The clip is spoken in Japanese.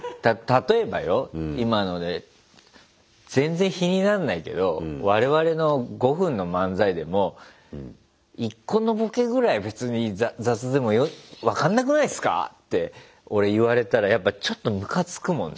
全然比になんないけど我々の５分の漫才でも「１個のボケぐらい別に雑でも分かんなくないすか？」って俺言われたらやっぱちょっとムカつくもんね。